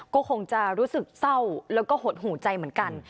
ก็คงจะรู้สึกเศร้าแล้วก็หดหูใจเหมือนกัน